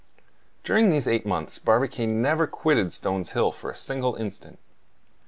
During these eight months Barbicane never quitted Stones Hill for a single instant.